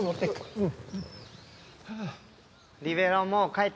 うん。